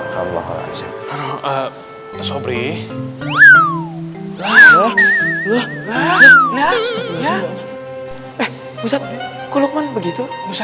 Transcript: eh ustadz kulukman begitu bisa gitu tidurnya ya ngangkat begitu baunya